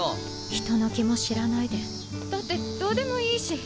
人の気も知らないでだってどうでもいいし。